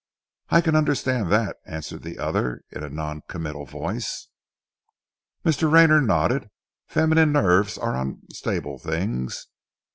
"I can understand that," answered the other in a non committal voice. Mr. Rayner nodded. "Feminine nerves are unstable things."